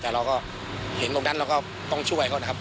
แต่เราก็เห็นตรงนั้นเราก็ต้องช่วยเขานะครับ